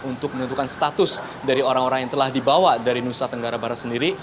untuk menentukan status dari orang orang yang telah dibawa dari nusa tenggara barat sendiri